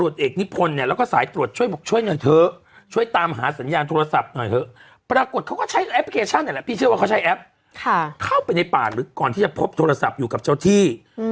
ใช้คำว่าอยู่กับเจ้าที่